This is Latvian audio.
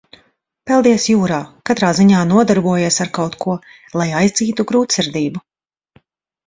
Peldies jūrā, katrā ziņā nodarbojies ar kaut ko, lai aizdzītu grūtsirdību.